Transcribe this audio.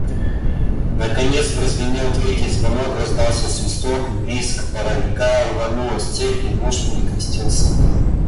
Наконец прозвенел третий звонок, раздался свисток, визг паровика, рванулась цепь, и муж перекрестился.